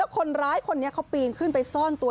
คนร้ายคนนี้เขาปีนขึ้นไปซ่อนตัว